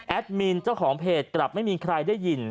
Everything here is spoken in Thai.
มินเจ้าของเพจกลับไม่มีใครได้ยิน